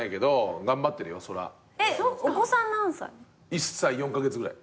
１歳４カ月ぐらい。